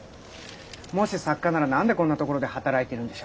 もし作家なら何でこんな所で働いてるんでしょう。